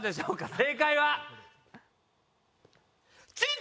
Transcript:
正解は？